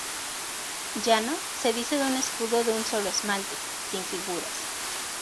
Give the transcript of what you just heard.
Llano se dice de un escudo de un solo esmalte, sin figuras.